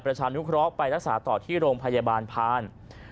ประชานุเคราะห์ไปรักษาต่อที่โรงพยาบาลพาน